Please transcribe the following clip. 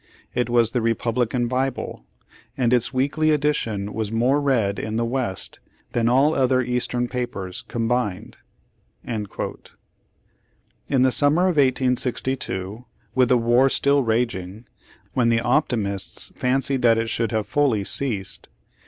It was the Repub lican Bible, and its weekly edition was more read in the West than all other Eastern papers combined." ^ In the summer of 1862, with the war still raging, when the optimists fancied that it should have fully ceased.